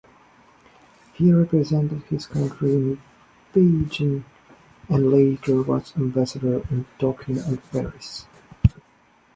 He represented his country in Beijing and later was ambassador in Tokyo and Paris.